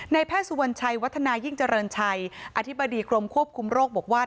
แพทย์สุวรรณชัยวัฒนายิ่งเจริญชัยอธิบดีกรมควบคุมโรคบอกว่า